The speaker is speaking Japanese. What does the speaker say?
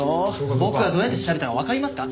僕がどうやって調べたかわかりますか？